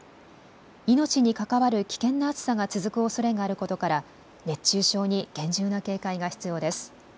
命に関わる危険な暑さが続くおそれがあることから熱中症に厳重な警戒が必要です。